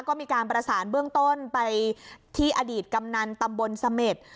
ก็มีการประสานเบื้องต้นไปที่อดีตกำนันตำบลเสม็ด